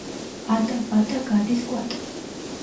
ატა, ბატა, გადის კვატა.